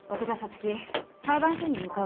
月裁判所に向かう